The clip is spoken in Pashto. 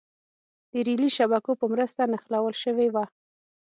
د رېلي شبکو په مرسته نښلول شوې وه.